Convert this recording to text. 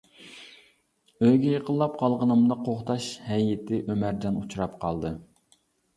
ئۆيگە يېقىنلاپ قالغىنىمدا قوغداش ھەيئىتى ئۆمەرجان ئۇچراپ قالدى.